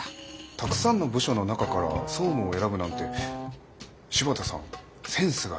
たくさんの部署の中から総務を選ぶなんて柴田さんセンスがいい。